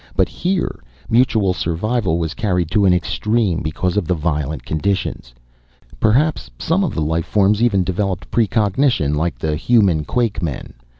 But here, mutual survival was carried to an extreme because of the violent conditions. Perhaps some of the life forms even developed precognition like the human quakemen.